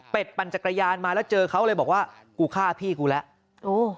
เป็นปั่นจักรยานมาแล้วเจอเขาเลยบอกว่ากูฆ่าพี่กูแล้วโอ้